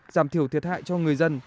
giảm thiểu thiệt hại cho người dân